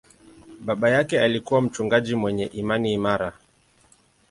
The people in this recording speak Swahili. Baba yake alikuwa mchungaji mwenye imani imara.